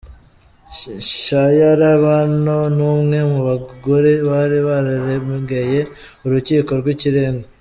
Shayara Bano ni umwe mu bagore bari bararegeye urukiko rw’ikirenga.